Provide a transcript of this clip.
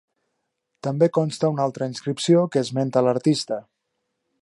També consta una altra inscripció que esmenta a l'artista.